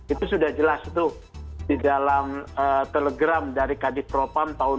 itu sudah jelas tuh di dalam telegram dari kadif propam tahun dua ribu dua puluh